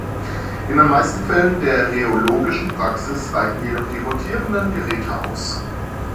In den meisten Fällen der rheologischen Praxis reichen jedoch die rotierenden Geräte aus.